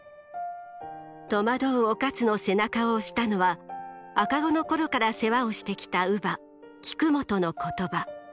戸惑う於一の背中を押したのは赤子の頃から世話をしてきた乳母菊本の言葉。